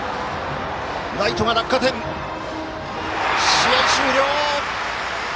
試合終了！